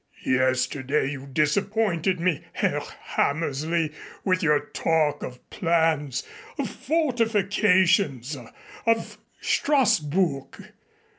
Yesterday you disappointed me, Herr Hammersley, with your talk of plans of fortifications of Strassburg.